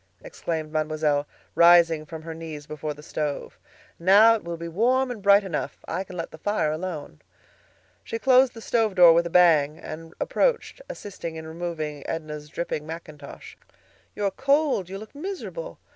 exclaimed Mademoiselle, rising from her knees before the stove. "Now it will be warm and bright enough; I can let the fire alone." She closed the stove door with a bang, and approaching, assisted in removing Edna's dripping mackintosh. "You are cold; you look miserable.